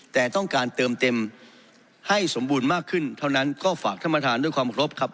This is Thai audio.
แต่ต้องการเติมเต็มให้สมบูรณ์มากขึ้นเท่านั้นก็ฝากท่านประธานด้วยความครบรบครับ